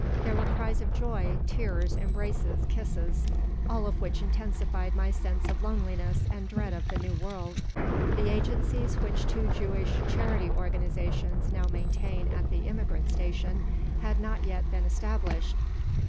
There were cries of joy, tears, embraces, kisses. All of which intensified my sense of loneliness and dread of the New World. The agencies which two Jewish charity organizations now maintain at the Immigrant Station had not yet been established.